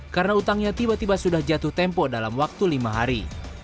karena hutangnya tiba tiba sudah jatuh tempo dalam waktu lima hari